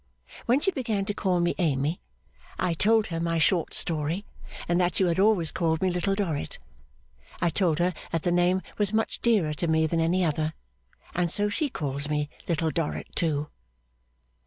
When she began to call me Amy, I told her my short story, and that you had always called me Little Dorrit. I told her that the name was much dearer to me than any other, and so she calls me Little Dorrit too.